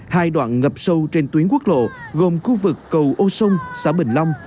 hai đoạn ngập sâu trên tuyến quốc lộ gồm khu vực cầu ô sông xã bình long